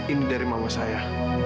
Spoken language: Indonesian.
ini dari mama saya